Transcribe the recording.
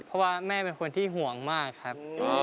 เพราะว่าแม่เป็นคนที่ห่วงมากครับ